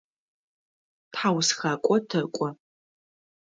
ТхьаусхакӀо тэкӀо.